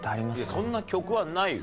そんな曲はないよ